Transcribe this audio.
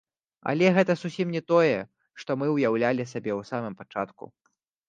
Але гэта зусім не тое, што мы ўяўлялі сабе ў самым пачатку.